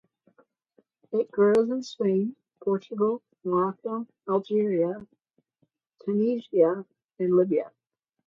It grows in Spain, Portugal, Morocco, Algeria, Tunisia and Libya.